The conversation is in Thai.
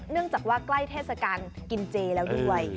จากว่าใกล้เทศกาลกินเจแล้วด้วย